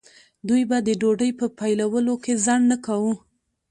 دوی به د ډوډۍ په پیلولو کې ځنډ نه کاوه.